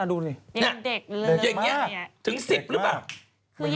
ดูเถอะแวงดูสิทธิ์น่ะยังเด็กเลย